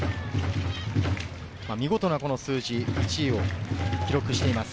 見事な数字、１位を記録しています。